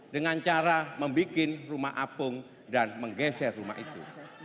dengan cara membuat rumah apung dan menggeser rumah itu